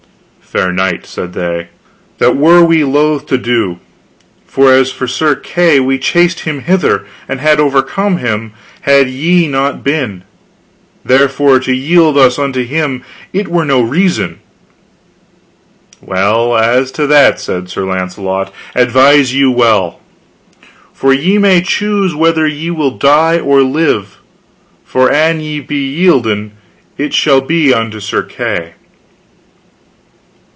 Fair knight, said they, that were we loath to do; for as for Sir Kay we chased him hither, and had overcome him had ye not been; therefore, to yield us unto him it were no reason. Well, as to that, said Sir Launcelot, advise you well, for ye may choose whether ye will die or live, for an ye be yielden, it shall be unto Sir Kay.